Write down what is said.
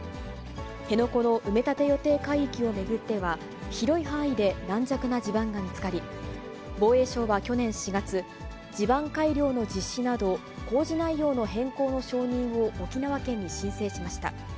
辺野古の埋め立て予定海域を巡っては、広い範囲で軟弱な地盤が見つかり、防衛省は去年４月、地盤改良の実施など、工事内容の変更の承認を沖縄県に申請しました。